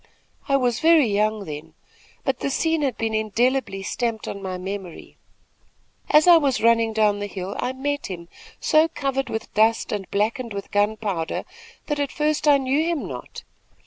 I was very young then; but the scene has been indelibly stamped on my memory. "As I was running down the hill, I met him, so covered with dust and blackened with gunpowder, that at first I knew him not.